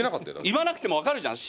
言わなくても分かるじゃん。